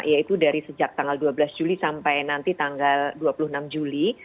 yaitu dari sejak tanggal dua belas juli sampai nanti tanggal dua puluh enam juli